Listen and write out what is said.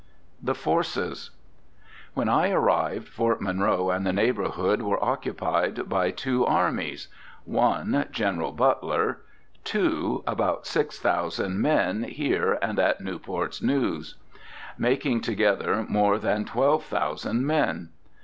THE FORCES. When I arrived, Fort Monroe and the neighborhood were occupied by two armies. 1. General Butler. 2. About six thousand men, here and at Newport's News. Making together more than twelve thousand men.